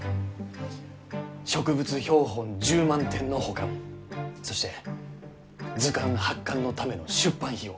植物標本１０万点の保管そして図鑑発刊のための出版費用